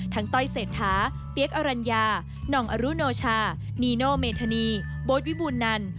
ต้อยเศรษฐาเปี๊ยกอรัญญาหน่องอรุโนชานีโนเมธานีโบ๊ทวิบูรณัน